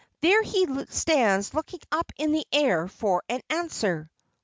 There he stands looking up in the air for an answer."